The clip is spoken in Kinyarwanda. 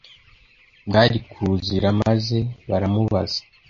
bwari kuzira maze baramubaza